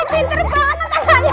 ya ampun pinter banget